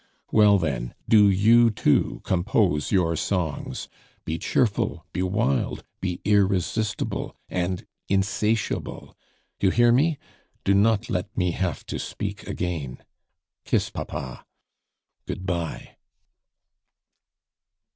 Well, then do you too compose your songs: be cheerful, be wild, be irresistible and insatiable! You hear me? Do not let me have to speak again. "Kiss papa. Good bye."